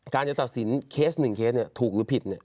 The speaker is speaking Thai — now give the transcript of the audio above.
จะตัดสินเคส๑เคสถูกหรือผิด